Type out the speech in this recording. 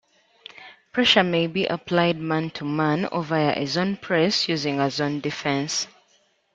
Pressure may be applied man-to-man, or via a zone press using a zone defense.